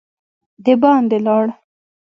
د باندي لاړ.